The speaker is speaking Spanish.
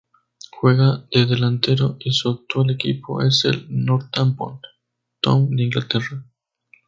Juega de delantero y su actual equipo es el Northampton Town de Inglaterra.